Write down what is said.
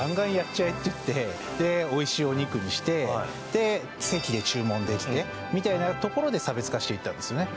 ちゃえっていってでおいしいお肉にしてで席で注文できてみたいなところで差別化していったんですよね